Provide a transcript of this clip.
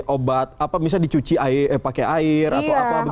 obat apa misalnya dicuci pakai air atau apa